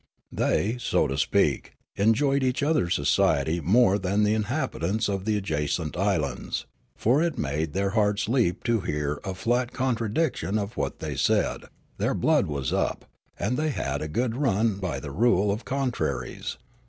The}^ so to speak, enjoyed each other's society more than the inhabitants of the adjacent islands ; for it made their hearts leap to hear a flat contradiction of what they said; their blood was up, and they had a good run by the rule of contraries.